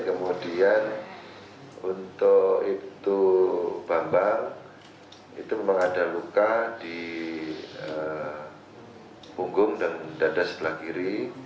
kemudian untuk ibtu bambang itu memang ada luka di punggung dan dada sebelah kiri